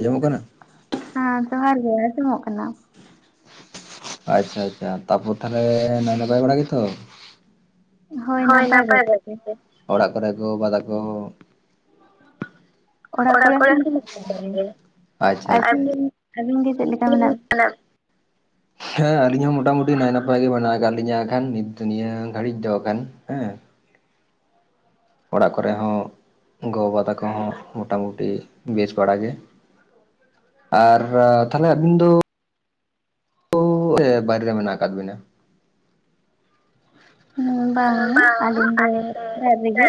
ᱟᱸᱚᱢᱚᱜ ᱠᱟᱱᱟ ᱦᱮᱸ ᱡᱚᱦᱟᱨ ᱜᱮ ᱟᱸᱡᱚᱢᱚᱜ ᱠᱟᱱᱟ᱾ ᱟᱪᱪᱷᱟ ᱟᱪᱪᱷᱟ ᱛᱟᱯᱚᱨ ᱛᱟᱦᱞᱮ ᱱᱚᱭ ᱱᱟᱯᱟᱭ ᱵᱟᱲᱟ ᱜᱮᱛᱚ? ᱦᱳᱭ ᱱᱟᱯᱟᱭ ᱜᱮ᱾ ᱚᱲᱟᱜ ᱠᱚᱨᱮ ᱠᱚ ᱜᱚ ᱵᱟᱵᱟ ᱛᱟᱠᱚ ᱚᱲᱟᱜ ᱠᱚᱨᱮ ᱦᱚᱸ ᱱᱟᱯᱟᱭ ᱜᱮ ᱟᱪᱪᱷᱟ ᱟᱪᱪᱷᱟ᱾ ᱟᱹᱵᱤᱱ? ᱟᱞᱤᱧ ᱜᱮ ᱪᱮᱫ ᱞᱮᱠᱟ ᱢᱮᱱᱟᱜ [inaudible] ᱦᱮᱸ ᱟᱞᱤᱧ ᱦᱚᱸ ᱢᱚᱴᱟᱢᱩᱴᱤ ᱱᱟᱭ ᱱᱟᱯᱟᱭ ᱜᱮ ᱢᱮᱱᱟᱜ ᱟᱠᱟᱫ ᱞᱤᱧᱟᱹ ᱠᱷᱟᱱ ᱱᱤᱛ ᱫᱚ ᱱᱤᱭᱟᱹ ᱜᱷᱟᱹᱲᱤᱡ ᱫᱚ ᱟᱠᱟᱱ ᱦᱮᱸ ᱚᱲᱟᱜ ᱠᱚᱨᱮ ᱦᱚᱸ ᱜᱚᱵᱟ ᱛᱟᱠᱚ ᱦᱚᱸ ᱢᱚᱴᱟᱢᱩᱴᱤ ᱵᱮᱥ ᱵᱟᱲᱟᱜ ᱜᱮ ᱾ ᱟᱨ ᱛᱟᱦᱚᱞᱮ ᱟᱹᱵᱤᱱ ᱫᱚ ᱵᱟᱭᱨᱮ ᱨᱮ ᱢᱮᱱᱟᱜ ᱟᱠᱟᱫ ᱵᱤᱱᱟ ᱾ ᱵᱟᱝ ᱟᱞᱤᱧ ᱫᱚ ᱚᱲᱟᱜ ᱨᱮᱜᱮ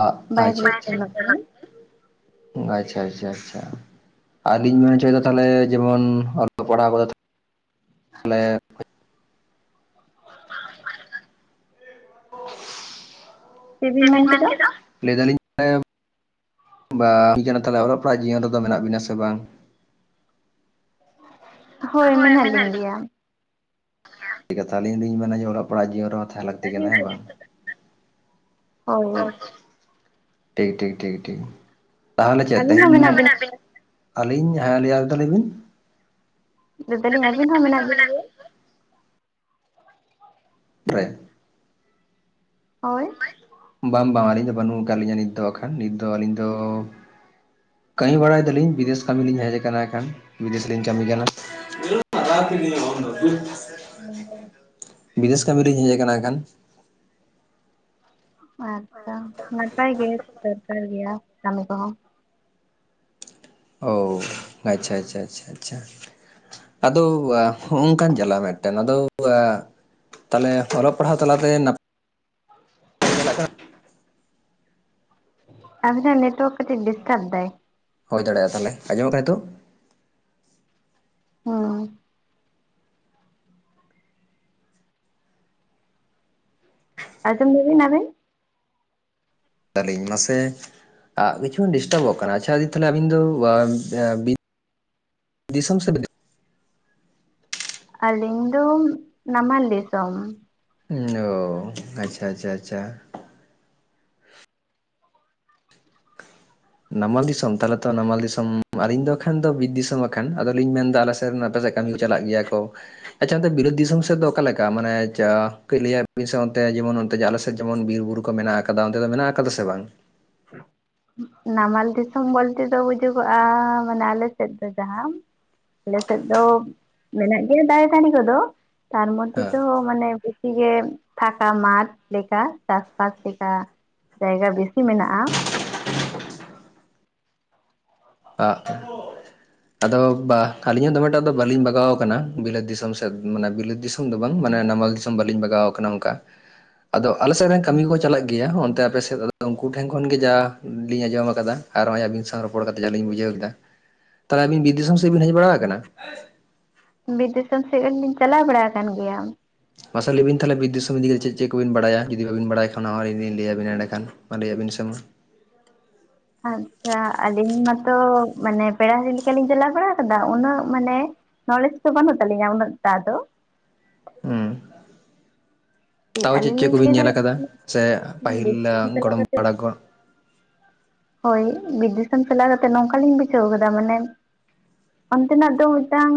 [inaudible] ᱵᱟᱭᱨᱮ ᱟᱪᱪᱷᱟ ᱨᱮ ᱥᱮᱱᱚᱜ ᱠᱟᱱᱟ ᱟᱪᱪᱷᱟ ᱟᱪᱪᱷᱟ ᱟᱪᱪᱷᱟ ᱟᱨᱞᱤᱧ ᱢᱮᱱ ᱦᱚᱪᱚᱭᱮᱫᱟ ᱛᱟᱦᱚᱞᱮ ᱡᱮᱢᱚᱱ ᱚᱞᱚᱜ ᱯᱟᱲᱦᱟᱣ ᱪᱮᱫ ᱵᱤᱱ ᱢᱮᱱ ᱞᱟᱹᱭ ᱠᱮᱫᱟ ᱞᱟᱹᱭ ᱫᱟᱞᱤᱧ ᱵᱟ ᱛᱟᱞᱚᱦᱮ ᱚᱞᱚᱜ ᱯᱟᱲᱦᱟᱜ ᱡᱤᱭᱚᱱ ᱨᱮᱫᱚ ᱢᱮᱱᱟᱜ ᱵᱤᱱᱟ ᱥᱮ ᱵᱟᱝ? ᱦᱳᱭ ᱢᱮᱱᱟᱜ ᱞᱤᱧ ᱜᱮᱭᱟ᱾ ᱴᱷᱤᱠ ᱠᱟᱛᱷᱟ ᱟᱞᱤᱧ ᱦᱚᱸᱞᱤᱧ ᱢᱮᱱᱟ ᱡᱮ ᱚᱞᱚᱜ ᱯᱟᱲᱦᱟᱜ ᱡᱤᱭᱚᱱ ᱨᱮᱫᱚ ᱞᱟᱠᱛᱤ ᱠᱟᱱᱟ ᱦᱮᱸ ᱵᱟᱝ ᱦᱳᱭ ᱴᱷᱤᱠ ᱴᱷᱤᱠ ᱴᱷᱤᱠ ᱴᱷᱤᱠ ᱛᱟᱦᱚᱞᱮ ᱪᱮᱫ ᱛᱮ ᱟᱹᱵᱤᱱ ᱦᱚᱸ ᱢᱮᱱᱟᱜ ᱵᱤᱱ ᱟᱹᱞᱤᱧ ᱟᱨ ᱢᱤᱫᱷᱟᱣ ᱞᱟᱹᱭ ᱵᱤᱱ ᱞᱟᱹᱭ ᱫᱟᱞᱤᱧ ᱟᱹᱵᱤᱱ ᱦᱚᱸ ᱢᱮᱱᱟᱜ ᱵᱤᱱ ᱜᱮᱭᱟ ᱾ [unintelligible] ᱦᱳᱭ ᱵᱟᱝ ᱵᱟᱝ ᱟᱹᱞᱤᱧ ᱫᱚ ᱵᱟᱹᱱᱩᱜ ᱟᱠᱟᱫ ᱞᱤᱧᱟᱹ ᱱᱤᱛ ᱫᱚ ᱟᱠᱷᱟᱱ ᱱᱤᱛ ᱫᱚ ᱟᱹᱞᱤᱧ ᱫᱚ ᱠᱟᱹᱢᱤ ᱵᱟᱲᱟᱭ ᱫᱟᱞᱤᱧ ᱵᱤᱫᱮᱥ ᱠᱟᱹᱢᱤ ᱞᱤᱧ ᱦᱮᱡᱽ ᱟᱠᱟᱱᱟ ᱮᱱᱠᱷᱟᱱ ᱵᱤᱫᱮᱥ ᱞᱤᱧ ᱠᱟᱹᱢᱤ ᱠᱟᱱᱟ ᱾ [unintelligible] ᱦᱮᱸ ᱵᱤᱫᱮᱥ ᱠᱟᱹᱢᱤ ᱨᱤᱧ ᱦᱮᱡᱽ ᱟᱠᱟᱱᱟ ᱠᱷᱟᱱ ᱟᱪᱪᱷᱟ ᱱᱟᱯᱟᱭ ᱜᱮ ᱫᱚᱨᱠᱟᱨ ᱜᱮᱭᱟ ᱠᱟᱹᱢᱤ ᱠᱚᱦᱚᱸ ᱦᱳ ᱟᱪᱪᱷᱟ ᱟᱪᱪᱷᱟ ᱟᱪᱪᱷᱟ ᱟᱫᱚ ᱚᱱᱠᱟᱱ ᱡᱟᱞᱟ ᱢᱤᱫᱴᱮᱱ ᱟᱫᱚ ᱛᱟᱦᱚᱞᱮ ᱚᱞᱚᱜ ᱯᱟᱲᱦᱟᱣ ᱛᱟᱞᱟᱛᱮ ᱱᱟᱯᱟᱭ [inaudible] [unintelligible] ᱟᱵᱤᱱᱟᱜ ᱱᱮᱴᱳᱨᱠ ᱰᱤᱥᱴᱟᱨᱵ ᱫᱟᱭᱺ ᱦᱳᱭ ᱫᱟᱲᱮᱭᱟᱜᱼᱟ ᱛᱟᱞᱦᱮ ᱟᱸᱡᱚᱢᱚᱜ ᱠᱟᱱᱟ ᱱᱤᱛᱳᱜ ᱦᱮᱸ ᱟᱸᱡᱚᱢ ᱫᱟᱵᱤᱱ ᱱᱟᱵᱤᱱ ᱛᱟᱞᱤᱧ ᱢᱟᱥᱮ ᱠᱤᱪᱷᱩ ᱰᱤᱥᱴᱟᱵᱚᱜ ᱠᱟᱱᱟ ᱟᱪᱪᱷᱟ ᱫᱤ ᱛᱟᱞᱦᱮ ᱟᱹᱵᱤᱱ ᱫᱚ ᱫᱤᱥᱚᱢ ᱥᱮᱫ ᱫᱚ ᱟᱹᱞᱤᱧ ᱫᱚ ᱱᱟᱢᱟᱞ ᱫᱤᱥᱚᱢ᱾ ᱚ ᱟᱪᱪᱷᱟ ᱟᱪᱪᱷᱟ ᱟᱪᱪᱷᱟ ᱱᱟᱢᱟᱞ ᱫᱤᱥᱚᱢ ᱛᱟᱦᱚᱞᱮ ᱛᱚ ᱱᱟᱢᱟᱞ ᱫᱤᱥᱚᱢ ᱟᱹᱞᱤᱧ ᱫᱚᱠᱷᱟᱱ ᱫᱚ ᱵᱤᱨ ᱫᱤᱥᱚᱢ ᱠᱷᱟᱱ᱾ ᱟᱫᱚᱞᱤᱧ ᱢᱮᱱ ᱮᱫᱟ ᱟᱞᱮ ᱥᱮᱫ ᱟᱯᱮ ᱠᱟᱹᱢᱤ ᱪᱟᱞᱟᱜ ᱜᱮᱭᱟ ᱠᱚ ᱟᱪᱪᱷᱟ ᱚᱱᱛᱮ ᱵᱤᱞᱟᱹᱫ ᱫᱤᱥᱚᱢ ᱥᱮᱫ ᱫᱚ ᱚᱠᱟ ᱞᱮᱠᱟ ᱢᱟᱱᱮ ᱞᱟᱹᱭᱟᱜ ᱵᱤᱱ ᱡᱮᱢᱚᱱ ᱟᱞᱮ ᱥᱮᱫ ᱡᱮᱢᱚᱱ ᱵᱤᱨ ᱵᱩᱨᱩ ᱠᱚ ᱢᱮᱱᱟᱜ ᱟᱠᱟᱫᱟ ᱚᱱᱛᱮ ᱫᱚ ᱢᱮᱱᱟᱜ ᱟᱠᱟᱫᱟ ᱥᱮ ᱵᱟᱝ ᱱᱟᱢᱟᱞ ᱫᱤᱥᱚᱢ ᱵᱚᱞᱛᱮ ᱫᱚ ᱵᱩᱡᱩᱜᱚᱜᱼᱟ ᱢᱟᱱᱮ ᱟᱞᱮ ᱥᱮᱫ ᱫᱚ ᱡᱟᱦᱟᱸ ᱟᱞᱮ ᱥᱮᱫ ᱫᱚ ᱢᱮᱱᱟᱜ ᱜᱮᱭᱟ ᱫᱟᱨᱮ ᱱᱟᱲᱤ ᱠᱚᱫᱚ ᱛᱟᱨ ᱢᱚᱫᱽᱫᱷᱮ ᱦᱮᱸ ᱫᱚ ᱢᱟᱱᱮ ᱵᱮᱥᱤ ᱜᱮ ᱯᱷᱟᱠᱟ ᱢᱟᱴᱷ ᱞᱮᱠᱟ ᱪᱟᱥᱵᱟᱥ ᱞᱮᱠᱟ ᱡᱟᱭᱜᱟ ᱵᱮᱥᱤ ᱢᱮᱱᱟᱜᱼᱟ ᱾ ᱦ [unintelligible] ᱟᱫᱚ ᱟᱹᱞᱤᱧ ᱦᱚᱸ ᱫᱚᱢᱮᱴᱟᱜ ᱫᱚ ᱵᱟᱹᱞᱤᱧ ᱵᱟᱜᱟᱣ ᱟᱠᱟᱱᱟ ᱵᱤᱞᱟᱹᱫ ᱫᱤᱥᱚᱢ ᱥᱮᱫ ᱢᱟᱱᱮ ᱵᱟᱞᱟᱹᱫ ᱫᱤᱥᱚᱢ ᱫᱤᱥᱚᱢ ᱫᱚ ᱵᱟᱝ ᱢᱟᱱᱮ ᱱᱟᱢᱟᱞ ᱫᱤᱥᱚᱢ ᱵᱟᱹᱞᱤᱧ ᱵᱟᱜᱟᱣ ᱟᱠᱟᱱᱟ ᱚᱱᱠᱟ ᱟᱫᱚ ᱟᱞᱮᱥᱮᱫ ᱨᱮᱱ ᱠᱟᱹᱢᱤ ᱠᱚ ᱪᱟᱞᱟᱜ ᱜᱮᱭᱟ ᱚᱱᱛᱮ ᱟᱯᱮᱥᱮᱫ ᱫᱚ ᱩᱱᱠᱩ ᱴᱷᱮᱱ ᱠᱷᱚᱱ ᱜᱮ ᱡᱟ ᱞᱤᱧ ᱟᱸᱡᱚᱢ ᱟᱠᱟᱫᱟ ᱟᱨ ᱱᱚᱜᱼᱚᱭ ᱟᱵᱤᱱ ᱥᱟᱶ ᱨᱚᱯᱚᱲ ᱠᱟᱛᱮ ᱡᱟ ᱞᱤᱧ ᱵᱩᱡᱷᱟᱹᱣ ᱠᱮᱫᱟ ᱛᱟᱦᱞᱮ ᱟᱹᱵᱤᱱ ᱵᱤᱨ ᱫᱤᱥᱚᱱ ᱥᱮᱫ ᱵᱤᱱ ᱦᱮᱡ ᱵᱟᱲᱟ ᱟᱠᱟᱱᱟ ᱵᱤᱨ ᱫᱤᱥᱚᱱ ᱥᱮᱫ ᱦᱚᱸ ᱞᱤᱧ ᱪᱟᱞᱟᱣ ᱵᱟᱲᱟ ᱟᱠᱟᱱ ᱜᱮᱭᱟ ᱢᱟᱥᱮ ᱞᱟᱹᱭ ᱵᱤᱱ ᱛᱟᱦᱞᱮ ᱵᱤᱨ ᱫᱤᱥᱚᱢ ᱤᱫᱤ ᱠᱟᱛᱮ ᱪᱮᱫ ᱪᱮᱫ ᱠᱚᱵᱤᱱ ᱵᱟᱰᱟᱭᱟ ᱡᱩᱫᱤ ᱵᱟᱵᱤᱱ ᱵᱟᱲᱟᱭ ᱠᱷᱟᱱ ᱚᱱᱟ ᱦᱚᱸ ᱟᱞᱤᱧ ᱞᱤᱧ ᱞᱟᱹᱭ ᱟᱵᱤᱱᱟ ᱮᱸᱰᱮ ᱠᱷᱟᱱ ᱢᱟ ᱞᱟᱹᱭ ᱵᱤᱱ ᱥᱮ ᱢᱟ ᱟᱪᱪᱷᱟ ᱟᱹᱞᱤᱧ ᱢᱟᱛᱚ ᱢᱟᱱᱮ ᱯᱮᱲᱟ ᱦᱤᱨᱤ ᱞᱮᱠᱟᱞᱤᱧ ᱪᱟᱞᱟᱣ ᱵᱟᱲᱟ ᱟᱠᱟᱫᱟ ᱩᱱᱟᱹᱜ ᱢᱟᱱᱮ ᱱᱚᱞᱮᱡᱽ ᱛᱚ ᱵᱟᱹᱱᱩᱜ ᱛᱟᱹᱞᱤᱧᱟ ᱩᱱᱟᱹ ᱛᱟᱫᱚ ᱦᱮᱸ ᱛᱟᱣ ᱪᱮᱫ ᱟᱹᱞᱤᱧ ᱪᱮᱫ ᱞᱤᱧ ᱠᱚᱵᱤᱱ ᱞᱟᱹᱭ ᱧᱮᱞ ᱫᱟᱲᱮᱭᱟᱜ ᱟᱠᱟᱫᱟ ᱥᱮ ᱯᱟᱹᱦᱤᱞ ᱵᱤᱨ ᱫᱤᱥᱚᱢ ᱪᱟᱞᱟᱣ ᱜᱚᱲᱚᱢ ᱠᱟᱛᱮ ᱦᱟᱲᱟᱢ ᱠᱷᱚᱱ ᱦᱳᱭ ᱵᱤᱫᱽ ᱫᱤᱥᱚᱢ ᱪᱟᱞᱟᱣ ᱠᱟᱛᱮᱜ ᱱᱚᱝᱠᱟ ᱞᱤᱧ ᱵᱩᱡᱷᱟᱹᱣ ᱟᱠᱟᱫᱟ ᱢᱟᱱᱮ ᱚᱱᱛᱮᱱᱟᱜ ᱫᱚ ᱢᱤᱫᱴᱟᱝ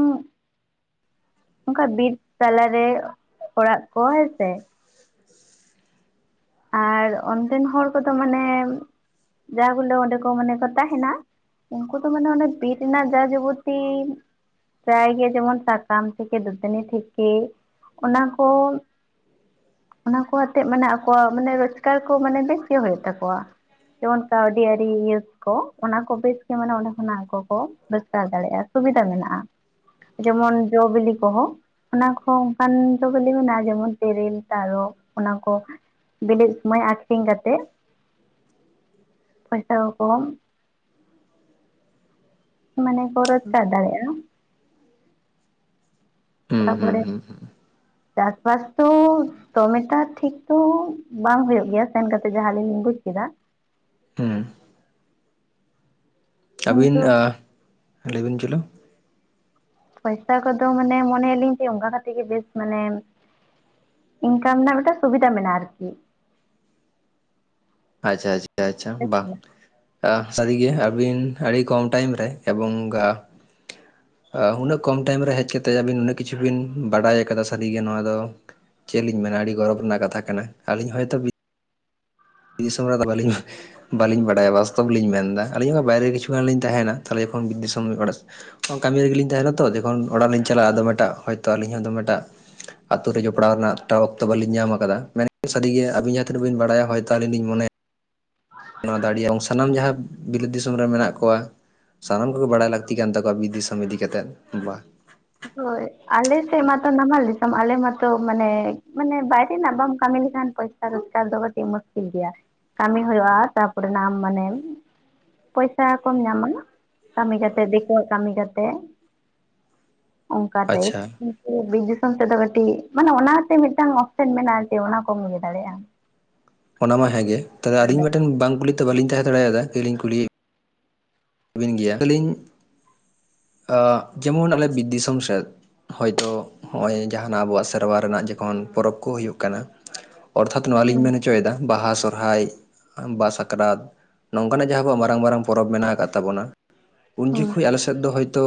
ᱚᱱᱠᱟ ᱵᱤᱨ ᱛᱟᱞᱟᱨᱮ ᱚᱲᱟᱜ ᱠᱚ ᱦᱮᱸ ᱥᱮ ᱟᱨ ᱚᱱᱛᱮ ᱦᱚᱲ ᱠᱚᱫᱚ ᱢᱟᱱᱮ ᱡᱟᱵᱚᱞᱮ ᱚᱸᱰᱮ ᱠᱚ ᱢᱟᱱᱮ ᱠᱚ ᱛᱟᱦᱮᱱᱟ ᱩᱱᱠᱩ ᱛᱚ ᱢᱟᱱᱮ ᱚᱱᱮ ᱵᱤᱨ ᱨᱮᱱᱟᱜ ᱡᱟ ᱡᱚᱵᱚᱛᱤ ᱯᱟᱨᱟᱭ ᱜᱮ ᱡᱮᱢᱚᱱ ᱥᱟᱠᱟᱢ ᱛᱷᱮᱠᱮ ᱫᱟᱹᱛᱟᱹᱱᱤ ᱛᱷᱮᱠᱮ ᱚᱱᱟ ᱠᱚ ᱚᱱᱟ ᱠᱚ ᱟᱛᱮ ᱢᱟᱱᱮ ᱟᱠᱚᱣᱟᱜ ᱢᱟᱱᱮ ᱨᱳᱡᱽᱜᱟᱨ ᱠᱚ ᱢᱟᱱᱮ ᱵᱮᱥ ᱜᱮ ᱦᱩᱭᱩᱜ ᱛᱟᱠᱚᱣᱟ ᱡᱮᱢᱚᱱ ᱠᱟᱹᱣᱰᱤ ᱟᱹᱨᱤ ᱤᱭᱟᱹ ᱚᱱᱟ ᱠᱚ ᱵᱮᱥ ᱜᱮ ᱢᱮᱱᱮ ᱚᱸᱰᱮ ᱠᱷᱚᱱᱟᱜ ᱟᱠᱚ ᱠᱚ ᱨᱳᱡᱽᱜᱟᱨ ᱫᱟᱲᱮᱭᱟᱜᱼᱟ ᱥᱩᱵᱤᱫᱟ ᱢᱮᱱᱟᱜᱼᱟ ᱡᱮᱢᱚᱱ ᱡᱚ ᱵᱤᱞᱤ ᱠᱚᱸ ᱦᱚᱸ ᱚᱱᱟ ᱠᱚ ᱚᱱᱠᱟᱱ ᱡᱚ ᱵᱤᱞᱤ ᱢᱮᱱᱟᱜᱼᱟ ᱡᱮᱢᱚᱱ ᱛᱮᱨᱮᱞ ᱛᱟᱨᱚᱵ ᱚᱱᱟ ᱠᱚ ᱵᱤᱞᱤ ᱥᱚᱢᱚᱭ ᱟᱠᱷᱨᱤᱧ ᱠᱟᱛᱮ ᱯᱚᱭᱥᱟ ᱭᱟᱠᱚ ᱢᱟᱱᱮ ᱠᱚ ᱨᱳᱡᱽᱠᱟᱨ ᱫᱟᱲᱮᱭᱟᱜᱼᱟ ᱦᱩᱸ ᱦᱩᱸ ᱛᱟᱨᱯᱚᱨᱮ ᱦᱩᱸ ᱪᱟᱥᱵᱟᱥ ᱛᱚ ᱛᱚ ᱢᱮᱛᱟ ᱴᱷᱤᱠ ᱛᱚ ᱵᱟᱝ ᱦᱩᱭᱩᱜ ᱜᱮᱭᱟ ᱥᱮᱱ ᱠᱟᱛᱮᱜ ᱡᱟᱦᱟᱸ ᱞᱤᱧ ᱵᱩᱡᱽ ᱠᱮᱫᱟ ᱦᱩᱸ ᱟᱹᱵᱤᱱ ᱠᱤᱱᱛᱩ ᱞᱟᱹᱭ ᱵᱤᱱ ᱪᱚᱞᱚ ᱯᱚᱭᱥᱟ ᱠᱚᱫᱚ ᱢᱟᱱᱮ ᱢᱚᱱᱮ ᱭᱟᱞᱤᱧ ᱡᱮ ᱚᱱᱠᱟ ᱠᱟᱛᱮ ᱜᱮ ᱵᱮᱥ ᱢᱟᱱᱮ ᱤᱱᱠᱟᱢ ᱨᱮᱱᱟᱜ ᱢᱤᱫᱴᱟᱝ ᱥᱩᱵᱤᱫᱟ ᱢᱮᱱᱟᱜᱼᱟ ᱟᱨᱠᱤ ᱟᱪᱪᱷᱟ ᱟᱪᱪᱷᱟ ᱟᱪᱪᱷᱟ ᱵᱟᱝ ᱥᱟᱹᱨᱤ ᱜᱮ ᱟᱹᱵᱤᱱ ᱟᱹᱰᱤ ᱠᱚᱢ ᱴᱟᱭᱤᱢ ᱨᱮ ᱮᱵᱚᱝ ᱜᱟ ᱩᱱᱟᱹᱜ ᱠᱚᱢ ᱴᱟᱭᱤᱢ ᱨᱮ ᱦᱮᱡ ᱠᱟᱛᱮᱫ ᱟᱹᱵᱤᱱ ᱩᱱᱟᱹᱜ ᱠᱤᱪᱷᱩ ᱵᱤᱱ ᱵᱟᱰᱟᱭ ᱟᱠᱟᱫᱟ ᱥᱟᱹᱨᱤᱜᱮ ᱱᱚᱣᱟ ᱫᱚ ᱪᱮᱫ ᱞᱤᱧ ᱢᱮᱱᱟ ᱟᱹᱰᱤ ᱜᱚᱨᱚᱵᱽ ᱨᱮᱱᱟᱜ ᱠᱟᱛᱷᱟ ᱠᱟᱱᱟ ᱟᱹᱞᱤᱧ ᱦᱚᱭᱛᱳ ᱠᱤᱼ ᱫᱤᱥᱚᱢ ᱨᱮ ᱫᱚ ᱵᱟᱹᱞᱤᱧ ᱵᱟᱹᱞᱤᱧ ᱵᱟᱰᱟᱭᱟ ᱵᱟᱥᱛᱚᱵ ᱞᱤᱧ ᱢᱮᱱᱫᱟ ᱟᱹᱞᱤᱧ ᱦᱚᱸ ᱵᱟᱭᱨᱮ ᱠᱤᱪᱷᱩ ᱜᱟᱱ ᱞᱤᱧ ᱛᱟᱦᱮᱱᱟ ᱛᱟᱦᱞᱮ ᱡᱮᱠᱷᱚᱱ ᱫᱤᱥᱚᱢ ᱚᱲᱟᱜ ᱠᱟᱹᱢᱤ ᱨᱮᱜᱮᱞᱤᱧ ᱛᱟᱦᱮᱸᱱᱟ ᱛᱚ ᱡᱚᱠᱷᱚᱱ ᱚᱲᱟᱜ ᱞᱤᱧ ᱪᱟᱞᱟᱜᱼᱟ ᱫᱚ ᱢᱮᱴᱟᱜ ᱦᱳᱭᱛᱳ ᱟᱹᱞᱤᱧ ᱦᱚᱸ ᱫᱚᱢᱮᱴᱟᱜ ᱟᱛᱩ ᱨᱮ ᱡᱚᱯᱲᱟᱣ ᱨᱮᱱᱟᱜ ᱮᱠᱴᱟ ᱚᱠᱛᱚ ᱵᱟᱹᱞᱤᱧ ᱧᱟᱢ ᱟᱠᱟᱫᱟ ᱢᱮᱱᱠᱷᱟᱱ ᱥᱟᱹᱨᱤᱜᱮ ᱟᱵᱤᱱ ᱡᱟᱦᱟᱸ ᱛᱤᱱᱟᱹᱜ ᱵᱤᱱ ᱵᱟᱲᱟᱭᱟ ᱦᱚᱭ ᱛᱚ ᱟᱹᱞᱤᱧ ᱞᱤᱧ ᱢᱚᱱᱮᱜ ᱱᱚᱭᱟ ᱫᱚ ᱟᱹᱰᱤ ᱥᱟᱱᱟᱢ ᱡᱟᱦᱟᱸ ᱵᱤᱞᱟᱹᱫᱽ ᱫᱤᱥᱚᱢ ᱨᱮ ᱢᱮᱱᱟᱜ ᱠᱚᱣᱟ ᱥᱟᱱᱟᱢ ᱠᱚᱜᱮ ᱵᱟᱲᱟᱭ ᱞᱟᱹᱠᱛᱤ ᱠᱟᱱ ᱛᱟᱠᱚᱣᱟ ᱵᱤᱞᱟᱹᱫᱽ ᱫᱤᱥᱚᱢ ᱤᱫᱤ ᱠᱟᱛᱮᱫ ᱵᱟ ᱦᱳᱭ ᱟᱞᱮ ᱥᱮᱫ ᱢᱟᱛᱚ ᱱᱟᱢᱟᱞ ᱫᱤᱥᱚᱢ ᱟᱞᱮ ᱢᱟᱛᱚ ᱢᱟᱱᱮ ᱢᱟᱱᱮ ᱵᱟᱭᱨᱮ ᱨᱮᱱᱟᱜ ᱵᱟᱢ ᱠᱟᱹᱢᱤ ᱞᱮᱠᱷᱟᱱ ᱯᱚᱭᱥᱟ ᱨᱳᱡᱽᱜᱟᱨ ᱫᱚ ᱠᱟᱹᱴᱤᱡ ᱢᱩᱥᱠᱤᱞ ᱜᱮᱭᱟ ᱠᱟᱹᱢᱤ ᱦᱩᱭᱩᱜᱼᱟ ᱛᱟᱨᱯᱚᱨᱮᱱᱟᱜ ᱟᱢ ᱢᱟᱱᱮ ᱯᱚᱭᱥᱟ ᱠᱚᱢ ᱧᱟᱢᱟ ᱠᱟᱹᱢᱤ ᱠᱟᱛᱮᱜ ᱫᱤᱠᱩᱣᱟᱜ ᱠᱟᱹᱢᱤ ᱠᱟᱛᱮᱜ ᱚᱝᱠᱟᱛᱮ ᱟᱪᱪᱷᱟ ᱵᱤᱨ ᱫᱤᱥᱚᱢ ᱥᱮᱫ ᱫᱚ ᱠᱟᱹᱴᱤᱡ ᱢᱟᱱᱮ ᱚᱱᱟᱛᱮ ᱢᱤᱫᱴᱟᱝ ᱚᱯᱥᱮᱱ ᱢᱮᱱᱟᱜᱼᱟ ᱪᱮ ᱚᱱᱟ ᱠᱚᱢ ᱤᱭᱟᱹ ᱫᱟᱲᱮᱭᱟᱜᱼᱟ ᱚᱱᱟ ᱢᱟ ᱦᱮᱸᱜᱮ ᱛᱟᱦᱞᱮ ᱟᱹᱞᱤᱧ ᱫᱟᱲᱮᱭᱟᱜ ᱢᱤᱫᱴᱟᱝ ᱵᱟᱝ ᱠᱩᱞᱤ ᱛᱮ ᱵᱟᱞᱤᱧ ᱛᱟᱦᱮᱸ ᱫᱟᱲᱮᱭᱟᱫᱟ ᱠᱩᱞᱤ ᱵᱤᱱ ᱜᱮᱭᱟ ᱟᱹᱞᱤᱧ ᱡᱮᱢᱚᱱ ᱟᱞᱮ ᱵᱤᱨ ᱫᱤᱥᱚᱢ ᱥᱮᱫ ᱦᱳᱭᱛᱳ ᱱᱚᱜᱼᱚᱭ ᱡᱟᱦᱟᱱᱟᱜ ᱟᱵᱚᱣᱟᱜ ᱥᱮᱨᱣᱟ ᱨᱮᱱᱟᱜ ᱡᱚᱠᱷᱚᱱ ᱯᱚᱨᱚᱵᱽ ᱠᱚ ᱦᱩᱭᱩᱜ ᱠᱟᱱᱟ ᱚᱨᱛᱷᱟᱛ ᱱᱚᱣᱟ ᱞᱤᱧ ᱦᱩᱸ ᱢᱮᱱ ᱦᱚᱪᱚᱭᱮᱫᱟ ᱵᱟᱦᱟ ᱥᱚᱨᱚᱦᱦᱟᱭ ᱵᱟ ᱥᱟᱠᱨᱟᱛ ᱱᱚᱝᱠᱟᱱᱟᱜ ᱡᱟᱦᱟᱸ ᱟᱵᱚᱣᱟᱜ ᱢᱟᱨᱟᱝ ᱢᱟᱨᱟᱝ ᱯᱚᱨᱚᱵᱽ ᱢᱮᱱᱟᱜ ᱟᱠᱟᱫ ᱛᱟᱵᱚᱱᱟ ᱩᱱ ᱦᱩᱸ ᱡᱚᱠᱷᱟᱹᱡ ᱟᱞᱮ ᱥᱮᱫ ᱫᱚ ᱦᱚᱭᱛᱳ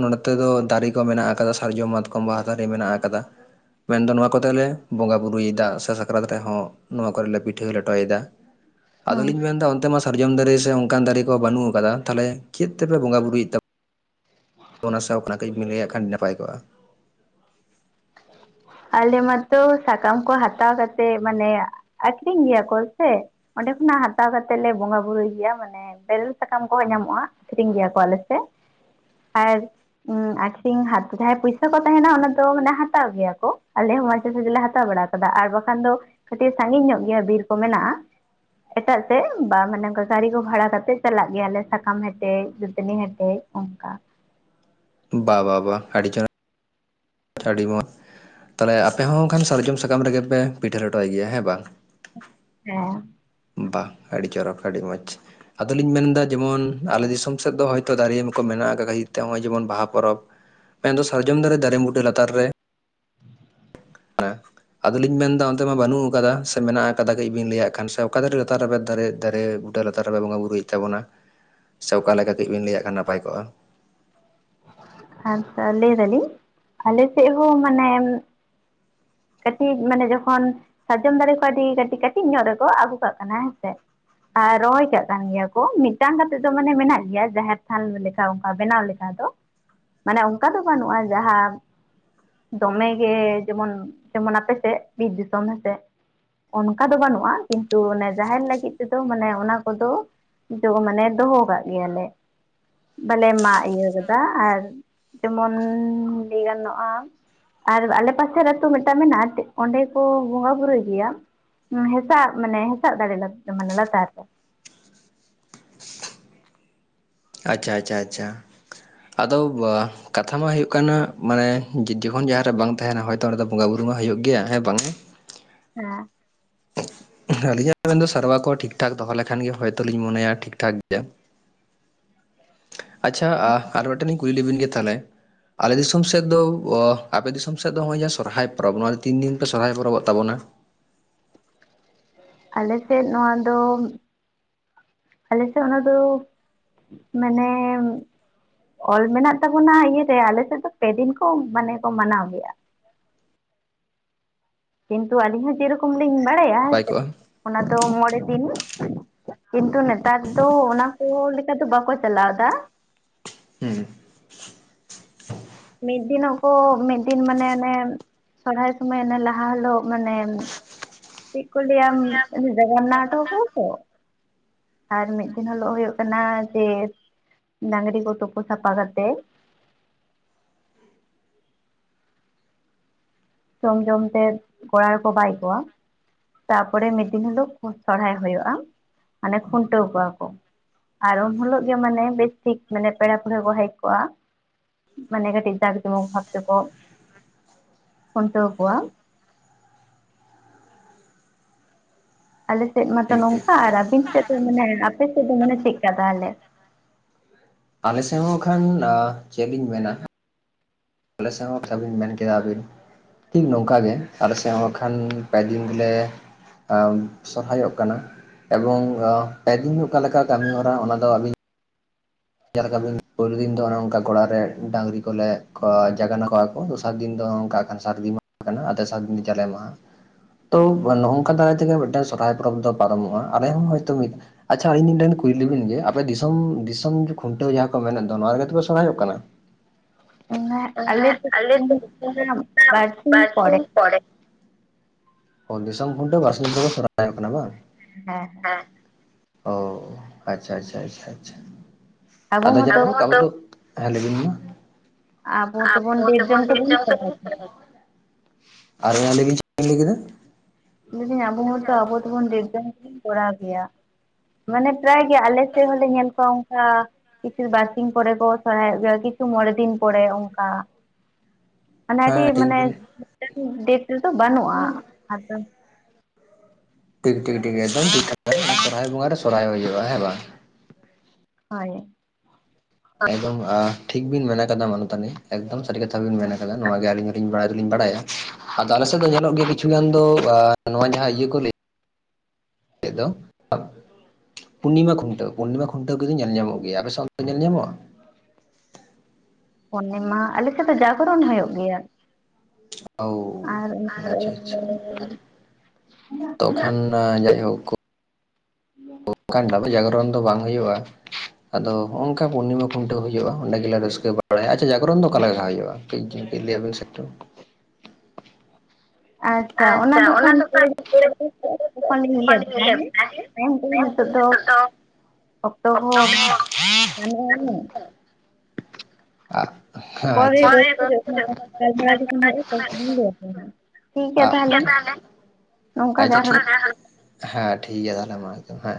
ᱱᱚᱰᱛᱮ ᱫᱚ ᱫᱟᱨᱮ ᱠᱚ ᱢᱮᱱᱟᱜ ᱟᱠᱟᱫᱟ ᱥᱟᱨᱡᱚᱢ ᱢᱟᱛᱠᱚᱢ ᱵᱟᱦᱟ ᱫᱟᱨᱮ ᱢᱮᱱᱟᱜ ᱟᱠᱟᱫᱟ ᱢᱮᱱᱫᱚ ᱱᱚᱣᱟ ᱠᱚᱛᱮ ᱞᱮ ᱵᱚᱸᱜᱟ ᱵᱩᱨᱩᱭᱮᱫᱟ ᱥᱮ ᱥᱟᱠᱨᱟᱛ ᱨᱮᱦᱚᱸ ᱱᱚᱣᱟ ᱠᱚᱨᱮᱞᱮ ᱯᱤᱴᱷᱟᱹ ᱞᱮᱴᱚᱭᱮᱫᱟ [unintelligible] ᱦᱩᱸ ᱟᱫᱚᱞᱤᱧ ᱢᱮᱱ ᱮᱫᱟ ᱚᱱᱛᱮ ᱢᱟ ᱥᱟᱨᱡᱚᱢ ᱫᱟᱨᱤ ᱥᱮ ᱚᱱᱠᱟᱱ ᱫᱟᱨᱤ ᱠᱚ ᱵᱟᱱᱩᱜ ᱟᱠᱟᱫᱟ ᱛᱟᱦᱞᱮ ᱪᱮᱫ ᱛᱮᱯᱮ ᱵᱚᱸᱜᱟ ᱵᱩᱨᱩᱭᱮᱫ ᱛᱟᱵ ᱦ [unintelligible] ᱚᱱᱟ ᱥᱟᱶ ᱠᱷᱚᱱᱟ ᱠᱟᱹᱡ ᱵᱤᱱ ᱞᱟᱹᱭᱟᱜ ᱠᱷᱟᱱ ᱱᱟᱯᱟᱭ ᱠᱚᱜᱼᱟ ᱟᱞᱮ ᱢᱟᱛᱚ ᱥᱟᱠᱟᱢ ᱠᱚ ᱦᱟᱛᱟᱣ ᱠᱟᱛᱮᱜ ᱢᱟᱱᱮ ᱟᱠᱷᱨᱤᱧ ᱜᱮᱭᱟ ᱠᱚ ᱥᱮ ᱚᱸᱰᱮ ᱠᱷᱚᱱᱟᱜ ᱦᱟᱛᱟᱣ ᱠᱟᱛᱮᱜ ᱞᱮ ᱵᱚᱸᱜᱟ ᱵᱩᱨᱩᱭ ᱜᱮᱭᱟ ᱢᱟᱱᱮ ᱛᱮᱨᱮᱞ ᱥᱟᱠᱟᱢ ᱠᱚᱸᱦᱚᱸ ᱧᱟᱢᱚᱜ-ᱟ ᱟᱠᱹᱷᱨᱤᱧ ᱜᱮᱭᱟ ᱠᱚ ᱟᱞᱮ ᱥᱮᱜ ᱟᱨ ᱩ ᱟᱠᱷᱨᱤᱧ ᱦᱟᱛ ᱡᱟᱦᱟᱸᱭ ᱯᱚᱭᱥᱟ ᱠᱚ ᱛᱟᱦᱮᱱᱟ ᱚᱱᱟ ᱫᱚ ᱢᱟᱱᱮ ᱦᱟᱛ ᱦᱟᱛᱟᱣ ᱜᱮᱭᱟ ᱠᱚ ᱟᱞᱮ ᱦᱚᱸ ᱴᱟᱡᱮ ᱥᱟᱡᱮ ᱞᱮ ᱦᱟᱛᱟᱣ ᱵᱟᱲᱟ ᱠᱟᱫᱟ ᱟᱨ ᱵᱟᱠᱷᱟᱱ ᱫᱚ ᱠᱟᱴᱤᱡ ᱥᱟᱺᱜᱤᱧ ᱧᱚᱜ ᱜᱮᱭᱟ ᱵᱤᱨ ᱠᱚ ᱢᱮᱱᱟᱜ-ᱟ ᱮᱴᱟᱜ ᱥᱮᱫ ᱵᱟ ᱢᱟᱱᱮ ᱚᱱᱠᱟ ᱜᱟᱲᱤ ᱠᱚ ᱵᱷᱟᱲᱟ ᱠᱟᱛᱮᱫ ᱪᱟᱞᱟᱜ ᱜᱮᱭᱟᱞᱮ ᱥᱟᱠᱟᱢ ᱦᱮᱴᱮᱡ ᱫᱟᱹᱛᱟᱹᱱᱤ ᱦᱮᱴᱮᱡ ᱚᱝᱠᱟ ᱵᱟ ᱵᱟ ᱵᱟ ᱟᱰᱤ ᱪᱮᱦᱨᱟ ᱟᱰᱤ ᱢᱚᱡ ᱛᱟᱦᱞᱮ ᱟᱯᱮ ᱦᱚᱸ ᱠᱷᱟᱱ ᱥᱟᱨᱡᱚᱢ ᱥᱟᱠᱟᱢ ᱨᱮᱜᱮ ᱯᱮ ᱯᱤᱴᱷᱟᱹ ᱞᱮᱴᱚᱭ ᱜᱮᱭᱟ ᱦᱮᱸ ᱵᱟᱝ ᱦᱮᱸ ᱵᱟ ᱟᱰᱤ ᱪᱚᱨᱚᱠ ᱟᱰᱤ ᱢᱚᱡᱽ ᱟᱫᱚᱞᱤᱧ ᱢᱮᱱᱫᱟ ᱡᱮᱢᱚᱱ ᱟᱞᱮ ᱫᱤᱥᱚᱢ ᱥᱮᱫ ᱫᱚ ᱦᱚᱭᱛᱚ ᱫᱟᱨᱮ ᱠᱚ ᱢᱮᱱᱟᱜ ᱠᱟᱫ ᱠᱷᱟᱛᱤᱨ ᱛᱮ ᱱᱚᱜᱼᱚᱭ ᱡᱮᱢᱚᱱ ᱵᱟᱦᱟ ᱯᱚᱨᱚᱵᱽ ᱢᱮᱱᱫᱚ ᱥᱟᱨᱡᱚᱢ ᱫᱟᱨᱮ ᱫᱟᱨᱮ ᱢᱩᱸᱰᱟᱹ ᱞᱟᱛᱟᱨ ᱨᱮ [inaudible] ᱟᱫᱚᱞᱤᱧ ᱢᱮᱱᱫᱟ ᱚᱱᱛᱮ ᱢᱟ ᱵᱟᱱᱩᱜ ᱟᱠᱟᱫᱟ ᱥᱮ ᱢᱮᱱᱟᱜ ᱟᱠᱟᱫᱟ ᱠᱟᱹᱡ ᱵᱤᱱ ᱞᱟᱹᱭᱟᱜ ᱠᱷᱟᱱ ᱥᱮ ᱚᱠᱟ ᱫᱟᱨᱮ ᱞᱟᱛᱟᱨ ᱨᱮᱵᱮᱫ ᱫᱟᱨᱮ ᱫᱟᱨᱮ ᱱᱩᱴᱟᱹ ᱞᱟᱛᱟᱨ ᱨᱮᱯᱮ ᱵᱚᱸᱜᱟ ᱵᱩᱨᱩᱭ ᱮᱫ ᱛᱟᱵᱚᱱᱟ ᱥᱮ ᱚᱠᱟ ᱞᱮᱠᱟ ᱠᱟᱹᱡ ᱵᱤᱱ ᱞᱟᱹᱭᱟᱜ ᱠᱷᱟᱱ ᱱᱟᱯᱟᱭ ᱠᱚᱜᱼᱟ ᱦᱟᱸ ᱛᱚ ᱞᱟᱹᱭ ᱫᱟᱞᱤᱧ ᱟᱞᱮ ᱥᱮᱫ ᱦᱚᱸ ᱢᱟᱱᱮ ᱠᱟᱸᱴᱤᱡ ᱢᱟᱱᱮ ᱡᱚᱠᱷᱚᱱ ᱥᱟᱨᱡᱚᱢ ᱫᱟᱨᱮ ᱠᱚ ᱟᱰᱤ ᱠᱟᱴᱤᱡ ᱠᱟᱴᱤᱡ ᱧᱚᱜ ᱨᱮᱠᱚ ᱟᱜᱩ ᱠᱟᱜ ᱠᱟᱱᱟ ᱦᱮᱸᱥᱮ ᱟᱨ ᱨᱚᱦᱚᱭ ᱠᱟᱜ ᱠᱟᱱ ᱜᱮᱭᱟ ᱠᱚ ᱢᱤᱫᱴᱟᱝ ᱠᱟᱛᱮᱫ ᱫᱚ ᱢᱟᱱᱮ ᱢᱮᱱᱟᱜ ᱜᱮᱭᱟ ᱡᱟᱦᱮᱨ ᱛᱷᱟᱱ ᱞᱮᱠᱟ ᱚᱝᱠᱟ ᱵᱮᱱᱟᱣ ᱞᱮᱠᱟ ᱫᱚ ᱢᱟᱱᱮ ᱚᱝᱠᱟ ᱫᱚ ᱵᱟᱱᱩᱜ-ᱟ ᱡᱟᱸᱦᱟ ᱫᱚᱢᱮ ᱜᱮ ᱡᱮᱢᱚᱱ ᱡᱮᱢᱚᱱ ᱟᱯᱮᱥᱮᱜ ᱵᱤᱨ ᱫᱤᱥᱚᱢ ᱦᱮᱸᱥᱮ ᱚᱱᱠᱟ ᱫᱚ ᱵᱟᱱᱩᱜᱼᱟ ᱠᱤᱱᱛᱩ ᱚᱱᱮ ᱡᱟᱦᱮᱨ ᱞᱟᱹᱜᱤᱫ ᱛᱮᱫᱚ ᱢᱟᱱᱮ ᱚᱱᱟ ᱠᱚᱫᱚ ᱡᱚ ᱢᱟᱱᱮ ᱫᱚᱦᱚᱣ ᱠᱟᱜ ᱜᱮᱭᱟᱞᱮ ᱵᱟᱞᱮ ᱢᱟᱜ ᱤᱭᱟᱹ ᱠᱟ ᱟᱨ ᱡᱮᱢᱚᱱ ᱞᱟᱹᱭ ᱜᱟᱱᱚᱜ-ᱟ ᱟᱨ ᱟᱞᱮ ᱯᱟᱥᱮᱨ ᱟᱛᱩ ᱢᱤᱫᱴᱟᱝ ᱢᱮᱱᱟᱜᱼᱟ ᱚᱸᱰᱮ ᱠᱚ ᱵᱚᱸᱜᱟ ᱵᱩᱨᱩᱭ ᱜᱮᱭᱟ ᱦᱩᱸ ᱦᱸᱮᱥᱟᱜ ᱢᱟᱱᱮ ᱦᱮᱥᱟᱜ ᱫᱟᱨᱮ ᱢᱟᱱᱮ ᱞᱟᱛᱟᱨ ᱨᱮ ᱟᱪᱪᱷᱟ ᱟᱪᱪᱷᱟ ᱟᱪᱪᱷᱟ ᱟᱫᱚ ᱠᱟᱛᱷᱟ ᱢᱟ ᱦᱩᱭᱩᱜ ᱠᱟᱱᱟ ᱢᱟᱱᱮ ᱡᱚᱠᱷᱚᱱ ᱡᱟᱸᱦᱟᱸᱨᱮ ᱵᱟᱝ ᱛᱟᱦᱮᱱᱟ ᱛᱚ ᱚᱸᱰᱮ ᱫᱚ ᱵᱚᱸᱜᱟ ᱵᱩᱨᱩ ᱢᱟ ᱦᱩᱭᱩᱜ ᱜᱮᱭᱟ ᱦᱮᱸ ᱵᱟᱝ ᱦᱮᱸ ᱟᱹᱞᱤᱧ ᱢᱮᱱ ᱫᱚ ᱥᱮᱨᱣᱟ ᱠᱚ ᱴᱷᱤᱠ ᱴᱷᱟᱠ ᱫᱚᱦᱚ ᱞᱮᱠᱷᱟᱱ ᱜᱮ ᱦᱚᱭᱛᱚ ᱞᱤᱧ ᱢᱚᱱᱮᱭᱟ ᱴᱷᱤᱠ ᱴᱷᱟᱠ ᱜᱮᱭᱟ ᱟᱪᱪᱷᱟ ᱟᱨ ᱢᱤᱫᱴᱮᱱ ᱤᱧ ᱠᱩᱞᱤ ᱞᱮᱵᱤᱱ ᱜᱮ ᱛᱟᱦᱞᱮ ᱟᱞᱮ ᱫᱤᱥᱚᱢ ᱥᱮᱫ ᱫᱚ ᱟᱯᱮ ᱫᱤᱥᱚᱢ ᱥᱮᱫ ᱫᱚ ᱱᱚᱜ-ᱚᱭ ᱡᱟᱸᱦᱟᱸ ᱥᱚᱨᱦᱟᱭ ᱯᱚᱨᱚᱵᱽ ᱱᱚᱣᱟ ᱫᱚ ᱛᱤᱱ ᱫᱤᱱ ᱯᱮ ᱥᱚᱨᱦᱟᱭ ᱯᱚᱨᱚᱵᱚᱜ ᱛᱟᱵᱚᱱᱟ ᱟᱞᱮ ᱥᱮᱫ ᱱᱚᱣᱟ ᱫᱚ ᱟᱞᱮ ᱥᱮᱜ ᱚᱱᱟ ᱫᱚ ᱢᱟᱱᱮᱢ ᱚᱞ ᱢᱮᱱᱟᱜ ᱛᱟᱵᱚᱱᱟ ᱤᱭᱟᱹ ᱨᱮ ᱟᱞᱮᱥᱮᱫ ᱫᱚ ᱯᱮᱫᱤᱱ ᱠᱚ ᱢᱟᱱᱮ ᱠᱚ ᱢᱟᱱᱟᱣ ᱜᱮᱭᱟ ᱠᱤᱱᱛᱩ ᱟᱞᱤᱧ ᱦᱚᱸ ᱡᱮᱨᱚᱠᱚᱢ ᱞᱤᱧ ᱵᱟᱲᱟᱭᱟ ᱱᱟᱯᱟᱭ ᱠᱚᱜᱼᱟ ᱚᱱᱟ ᱫᱚ ᱢᱚᱬᱮ ᱫᱤᱱ ᱠᱤᱱᱛᱩ ᱱᱮᱛᱟᱨ ᱫᱚ ᱚᱱᱟ ᱠᱚ ᱞᱮᱠᱟ ᱫᱚ ᱵᱟᱠᱚ ᱪᱟᱞᱟᱣ ᱫᱟ ᱦᱩᱸ ᱢᱤᱫ ᱫᱤᱱᱚᱜ ᱠᱚ ᱢᱤᱫ ᱫᱤᱱ ᱢᱟᱱᱮ ᱚᱱᱮ ᱥᱚᱨᱦᱟᱭ ᱥᱩᱢᱟᱹᱭ ᱚᱱᱮ ᱞᱟᱦᱟ ᱦᱤᱞᱳᱜ ᱢᱟᱱᱮ ᱪᱮᱫ ᱠᱚ ᱞᱟᱹᱭ ᱟᱢ ᱡᱚᱜᱚᱱᱱᱟ ᱦᱚᱴᱟ ᱠᱚᱣᱟᱠᱚ ᱟᱨ ᱢᱤᱫ ᱫᱤᱱ ᱦᱤᱞᱳᱜ ᱦᱩᱭᱩᱜ ᱠᱟᱱᱟ ᱡᱮ ᱰᱟᱝᱨᱤ ᱠᱚ ᱛᱩᱯᱩ ᱥᱟᱯᱷᱟ ᱠᱟᱛᱮ ᱡᱚᱢ ᱡᱚᱢ ᱛᱮ ᱜᱚᱲᱟ ᱨᱮᱠᱚ ᱵᱟᱭ ᱠᱚᱣᱟ ᱛᱟᱯᱚᱨᱮ ᱢᱤᱫ ᱫᱤᱱ ᱦᱤᱞᱳᱜ ᱥᱚᱨᱦᱟᱭ ᱦᱩᱭᱩᱜᱼᱟ ᱢᱟᱱᱮ ᱠᱷᱩᱱᱴᱟᱹᱣ ᱠᱚᱣᱟ ᱠᱚ ᱟᱨ ᱩᱱ ᱦᱤᱞᱳᱜ ᱜᱮ ᱢᱟᱱᱮ ᱵᱮᱥᱴᱷᱤᱠ ᱢᱟᱱᱮ ᱯᱮᱲᱟ ᱯᱟᱹᱲᱦᱟᱹ ᱠᱚ ᱦᱮᱡ ᱠᱚᱜᱼᱟ ᱢᱟᱱᱮ ᱠᱟᱹᱴᱤᱡ ᱡᱟᱜᱽ ᱡᱚᱢᱚᱠ ᱵᱷᱟᱯ ᱛᱮ ᱠᱚ ᱠᱷᱩᱱᱴᱟᱹᱣ ᱠᱚᱣᱟ ᱟᱞᱮᱥᱮᱫ ᱢᱟᱛᱚ ᱴᱷᱤᱠ ᱴᱷᱤᱠ ᱱᱚᱝᱠᱟ ᱴᱷᱤᱠ ᱟᱨ ᱟᱵᱤᱱ ᱥᱮᱫ ᱫᱚ ᱢᱟᱱᱮ ᱟᱯᱮ ᱥᱮᱫ ᱫᱚ ᱢᱟᱱᱮ ᱪᱮᱜᱠᱟ ᱛᱟᱦᱚᱞᱮ ᱟᱞᱮᱥᱮᱫ ᱦᱚᱸ ᱠᱷᱟᱱ ᱪᱮᱫ ᱤᱧ ᱢᱮᱱᱟ ᱟᱞᱮ ᱥᱮᱫ ᱦᱚᱸ ᱡᱟᱦᱟᱸ ᱵᱤᱱ ᱢᱮᱱ ᱠᱮᱫᱟ ᱟᱹᱵᱤᱱ ᱴᱷᱤᱠ ᱱᱚᱝᱠᱟ ᱜᱮ ᱟᱞᱮ ᱥᱮ ᱠᱷᱟᱱ ᱯᱮ ᱫᱤᱱ ᱜᱮᱞᱮ ᱥᱚᱨᱦᱟᱭᱚᱜ ᱠᱟᱱᱟ ᱮᱵᱚᱝ ᱯᱮ ᱫᱤᱱ ᱚᱠᱟ ᱠᱮᱠᱟ ᱠᱟᱹᱢᱤ ᱦᱚᱨᱟ ᱚᱱᱟ ᱫᱚ ᱟᱵᱤᱱ ᱡᱟᱦᱟᱸ ᱞᱮᱠᱟ ᱵᱤᱱ ᱯᱩᱭᱞᱩ ᱫᱤᱱ ᱫᱚ ᱚᱱᱮ ᱚᱱᱠᱟ ᱜᱚᱲᱟ ᱨᱮ ᱰᱟᱹᱝᱨᱤ ᱠᱚᱞᱮ ᱡᱟᱜᱟᱨᱱᱟ ᱠᱚᱣᱟ ᱠᱚ ᱫᱚᱥᱟᱨ ᱫᱤᱱ ᱫᱚ ᱚᱝᱠᱟ ᱠᱷᱟᱱ ᱥᱟᱨᱫᱤ ᱢᱟᱦᱟ ᱠᱟᱱᱟ ᱟᱨ ᱛᱮᱥᱟᱨ ᱫᱤᱱ ᱫᱚ ᱡᱟᱞᱮ ᱢᱟᱦᱟ ᱛᱚ ᱱᱚᱝᱠᱟ ᱫᱟᱨᱟᱭ ᱛᱮᱜᱮ ᱢᱤᱫᱴᱮᱱ ᱥᱚᱨᱦᱟᱭ ᱯᱚᱨᱚᱵᱽ ᱫᱚ ᱯᱟᱨᱚᱢᱚᱜᱼᱟ ᱟᱞᱮ ᱦᱚᱸ ᱦᱚᱭᱛᱳ ᱢᱤᱫ ᱟᱪᱪᱷᱟ ᱟᱹᱞᱤᱧ ᱢᱤᱫᱴᱟᱹᱝ ᱠᱩᱭᱞᱤ ᱵᱤᱱ ᱜᱮ ᱟᱯᱮ ᱫᱤᱥᱚᱢ ᱫᱤᱥᱚᱢ ᱠᱷᱩᱱᱴᱟᱹᱣ ᱡᱟᱦᱟᱸ ᱠᱚ ᱢᱮᱱᱮᱫ ᱫᱚ ᱱᱚᱣᱟ ᱨᱮᱜᱮ ᱛᱚᱯᱮ ᱥᱚᱲᱦᱟᱭᱚᱜ ᱠᱟᱱᱟ ᱟᱞᱮ ᱫᱚ [inaudible] ᱵᱟᱨᱥᱤᱧ ᱯᱚᱨᱮ ᱵᱟᱲᱥᱤᱧ ᱯᱚᱲᱮ ᱚ ᱫᱤᱥᱚᱢ ᱠᱷᱩᱱᱴᱟᱹᱣ ᱵᱟᱨᱥᱤᱧ ᱯᱚᱨᱮ ᱥᱚᱨᱦᱟᱭᱚᱜ ᱠᱟᱱᱟ ᱵᱟᱝ ᱦᱮᱸ ᱦᱮᱸ ᱦᱮᱸ ᱚ ᱟᱪᱪᱷᱟ ᱟᱪᱪᱷᱟ ᱟᱪᱪᱷᱟ ᱟᱪᱪᱷᱟ [inaudible] ᱟᱵᱚ ᱦᱮᱸ ᱢᱚᱛᱚ ᱞᱟᱹᱭ ᱵᱤᱱ ᱢᱟ ᱟᱵᱚ ᱛᱮᱵᱚᱱ ᱰᱮᱴ ᱡᱚᱝ ᱛᱮᱵᱚᱱ ᱠᱚᱨᱟᱣ ᱜᱮᱭᱟ [unintelligible] ᱟᱨ ᱢᱟ ᱞᱟᱹᱭ ᱵᱤᱱ ᱪᱮᱫ ᱵᱤᱱ ᱞᱟᱹᱭ ᱠᱮᱫᱟ ᱞᱟᱹᱭᱫᱤᱧ ᱟᱵᱚ ᱦᱚᱸᱛᱚ ᱟᱵᱚ ᱛᱮᱵᱚᱱ [inaudible] ᱡᱟᱹᱱᱤᱡ ᱵᱚᱱ ᱠᱚᱨᱟᱣ ᱜᱮᱭᱟ ᱢᱟᱱᱮ ᱯᱨᱟᱭ ᱜᱮ ᱟᱞᱮ ᱥᱮᱫ ᱦᱚᱸᱞᱮ ᱧᱮᱞ ᱠᱚᱣᱟ ᱚᱱᱠᱟ ᱠᱤᱪᱷᱩ ᱵᱟᱨᱥᱤᱧ ᱯᱚᱨᱮ ᱠᱚ ᱥᱚᱨᱦᱟᱭᱚᱜ ᱜᱮᱭᱟ ᱠᱤᱪᱷᱩ ᱢᱚᱬᱮ ᱫᱤᱱ ᱯᱚᱲᱮ ᱚᱝᱠᱟ ᱢᱟᱱᱮ ᱟᱹᱰᱤ ᱦᱮᱸ ᱴᱷᱤᱠ ᱢᱟᱱᱮ ᱵᱤᱱ ᱢᱤᱫᱴᱟᱹᱝ ᱰᱮᱴ ᱨᱮᱫᱚ ᱵᱟᱹᱱᱩᱜᱼᱟ ᱟᱫᱚ ᱴᱷᱤᱠ ᱴᱷᱤᱠ ᱴᱷᱤᱠ ᱮᱠᱫᱚᱢ ᱴᱷᱤᱠ ᱠᱟᱛᱷᱟ ᱥᱚᱨᱦᱟᱭ ᱵᱚᱸᱜᱟ ᱨᱮ ᱥᱚᱨᱦᱟᱭ ᱦᱩᱭᱩᱜᱼᱟ ᱦᱮᱸ ᱵᱟᱝ ᱦᱚᱭ ᱮᱠᱫᱚᱢ ᱴᱷᱤᱠ ᱵᱤᱱ ᱢᱮᱱ ᱠᱟᱫᱟ ᱢᱟᱱᱚᱛᱟᱱᱤ ᱮᱠᱫᱚᱢ ᱥᱟᱹᱨᱤ ᱠᱟᱛᱷᱟ ᱵᱤᱱ ᱢᱮᱱ ᱠᱟᱫᱟ ᱱᱚᱣᱟ ᱜᱮ ᱟᱹᱞᱤᱧ ᱦᱚᱞᱤᱧ ᱵᱟᱲᱟᱭ ᱫᱚᱞᱤᱧ ᱵᱟᱲᱟᱭᱟ ᱟᱫᱚ ᱟᱞᱮᱥᱮᱫ ᱫᱚ ᱧᱮᱞᱚᱜ ᱜᱮᱭᱟ ᱠᱤᱪᱷᱩ ᱜᱟᱱ ᱫᱚ ᱱᱚᱣᱟ ᱡᱟᱦᱟᱸ ᱤᱭᱟᱹ ᱠᱚ ᱞᱟᱹᱭ ᱫᱚ ᱟᱵ ᱯᱩᱨᱱᱤᱢᱟ ᱠᱷᱩᱱᱴᱟᱹᱣ ᱯᱩᱨᱱᱤᱢᱟ ᱠᱷᱩᱱ ᱠᱷᱩᱱᱴᱟᱹᱣ ᱠᱚᱜᱮ ᱧᱮᱞ ᱧᱟᱢᱚᱜ ᱜᱮᱭᱟ ᱟᱯᱮ ᱥᱟᱶ ᱫᱚ ᱧᱮᱞ ᱧᱟᱢᱚᱜᱼᱟ ᱯᱩᱨᱱᱤᱢᱟ ᱟᱞᱮ ᱥᱮᱫ ᱫᱚ ᱡᱟᱜᱚᱨᱚᱱ ᱦᱩᱭᱩᱜ ᱜᱮᱭᱟ ᱚ ᱟᱨ ᱟᱪᱪᱷᱟ ᱟᱪᱪᱷᱟ ᱛᱚᱠᱷᱚᱱ ᱡᱟᱭᱦᱳᱠ [inaudible] ᱚᱱᱠᱟᱱ [inaudible] ᱡᱟᱜᱨᱚᱱ ᱫᱚ ᱵᱟᱝ ᱦᱩᱭᱩᱜᱼᱟ ᱟᱫᱚ ᱱᱚᱜᱼᱚ ᱱᱚᱝᱠᱟ ᱯᱩᱨᱱᱤᱢᱟ ᱠᱷᱩᱱᱴᱟᱹᱣ ᱦᱩᱭᱩᱜᱼᱟ ᱚᱸᱰᱮ ᱜᱮᱞᱮ ᱨᱟᱹᱥᱠᱟᱹ ᱵᱟᱲᱟᱭᱟ ᱟᱪᱪᱷᱟ ᱡᱟᱜᱽᱨᱚᱱ ᱫᱚ ᱚᱠᱟᱞᱮᱠᱟ ᱦᱩᱭᱩᱜᱼᱟ ᱠᱟᱹᱡ [inaudible] ᱟᱪᱪᱷᱟ ᱚᱱᱟ ᱫᱚᱠᱷᱟᱱᱼ [unintelligible] ᱛᱚᱠᱷᱚᱱ ᱞᱤᱧ ᱞᱟᱹᱭ ᱟᱹᱵᱤᱱᱟ ᱦᱮᱸ ᱦᱮᱸ [unintelligible] ᱱᱤᱛᱚᱜ ᱫᱚ ᱚᱠᱛᱚ ᱠᱚ ᱠᱚᱦᱚᱸ ᱵᱟᱝ ᱦᱩᱭᱩᱜ ᱵᱟᱧᱩᱜ ᱟ ᱠᱟᱱᱟ᱾ ᱩᱱᱟᱹᱜ ᱦᱳᱭ ᱯᱚᱨᱮ ᱴᱷᱤᱠ ᱜᱮᱭᱟ ᱛᱟᱦᱚᱞᱮ᱾ ᱟᱪᱪᱷᱟ [unintelligible] ᱜᱟᱞᱢᱟᱨᱟᱣ ᱡᱚᱠᱷᱚᱱ ᱦᱩᱭᱩᱜ-ᱟ ᱛᱚᱠᱷᱚᱱ ᱤᱧ ᱞᱟᱹᱭ ᱟᱹᱵᱤᱱᱟ ᱴᱷᱤᱠ ᱜᱮᱭᱟ ᱛᱟᱦᱚᱞᱮ ᱱᱚᱝᱠᱟ ᱜᱮ ᱟᱪᱪᱷᱟ ᱟᱨᱦᱚᱸ ᱴᱷᱤᱠ ᱦᱮᱸ ᱴᱷᱤᱠ ᱜᱮᱭᱟ ᱛᱟᱦᱚᱞᱮ ᱢᱟ ᱮᱠᱫᱚᱢ ᱦᱮᱸ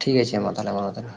ᱴᱷᱤᱠ ᱟᱪᱷᱮ ᱢᱟ ᱛᱟᱦᱚᱞᱮ ᱢᱟᱱᱚᱛᱟᱱᱤ